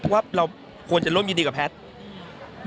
ว่าเราควรจะร่วมยินดีกับแพทย์